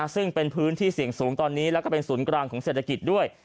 ซึ่งเป็นพื้นที่เสี่ยงสูงตอนนี้แล้วก็เป็นศูนย์กลางของเศรษฐกิจด้วย